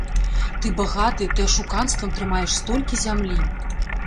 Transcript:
Ты багаты, ты ашуканствам трымаеш столькі зямлі.